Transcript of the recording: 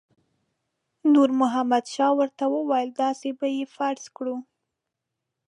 نور محمد شاه ورته وویل داسې به یې فرض کړو.